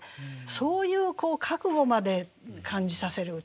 そういう覚悟まで感じさせる歌ですね。